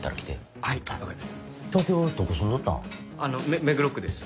あの目黒区です。